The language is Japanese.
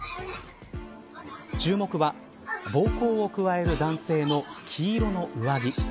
注目は暴行を加える男性の黄色の上着。